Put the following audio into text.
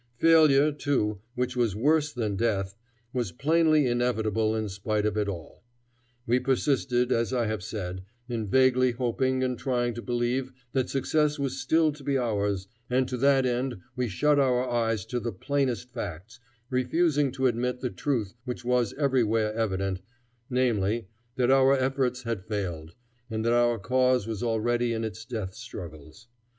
Failure, too, which was worse than death, was plainly inevitable in spite of it all. We persisted, as I have said, in vaguely hoping and trying to believe that success was still to be ours, and to that end we shut our eyes to the plainest facts, refusing to admit the truth which was everywhere evident, namely, that our efforts had failed, and that our cause was already in its death struggles.